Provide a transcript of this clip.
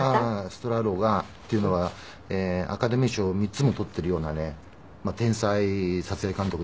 ストラーロがっていうのはアカデミー賞を３つも取っているようなね天才撮影監督なんですが。